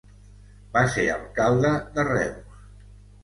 Va ser alcalde de Reus.